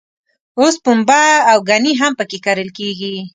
اوس پنبه او ګني هم په کې کرل کېږي.